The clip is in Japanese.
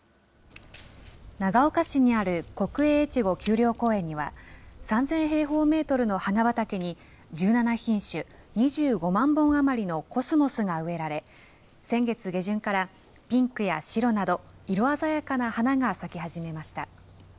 長岡市にある国営越後丘陵公園には、３０００平方メートルの花畑に、１７品種２５万本余りのコスモスが植えられ、先月下旬からピンクや白など色鮮やかな花が咲き始めました。